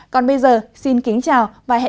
còn bây giờ xin kính chào và hẹn gặp lại